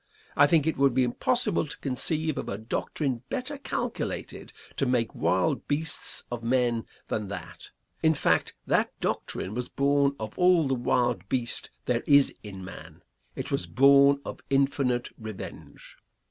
I think it would be impossible to conceive of a doctrine better calculated to make wild beasts of men than that; in fact, that doctrine was born of all the wild beast there is in man. It was born of infinite revenge.